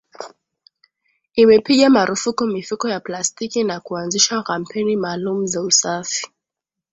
Imepiga marufuku mifuko ya plastiki na kuanzisha kampeni maalumu za usafi